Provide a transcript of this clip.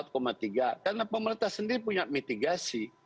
karena pemerintah sendiri punya mitigasi